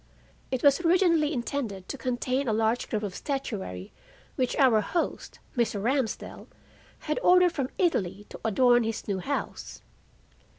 It was originally intended to contain a large group of statuary which our host, Mr. Ramsdell, had ordered from Italy to adorn his new house.